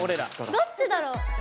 どっちだろう？